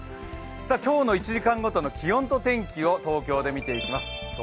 今日の１時間ごとの気温と天気を東京で見ていきます。